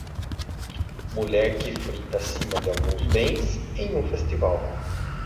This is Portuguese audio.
Mulher que frita acima de alguns bens em um festival.